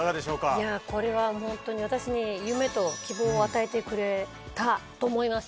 いやこれはホントに私に。を与えてくれたと思います。